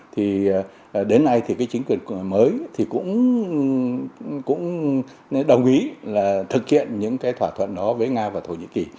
thì đến nay thì cái chính quyền mới thì cũng đồng ý là thực hiện những cái thỏa thuận đó với nga và thổ nhĩ kỳ